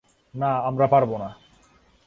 না, আমরা পারবো না।